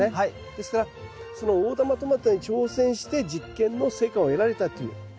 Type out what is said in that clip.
ですからその大玉トマトに挑戦して実験の成果を得られたということはですね